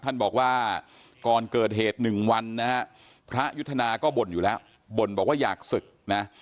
ท่านบอกว่าก่อนเกิดเหตุ๑วันนะฮะพระยุทธนาก็บ่นอยู่แล้วบ่นบอกว่าอยากศึกนะ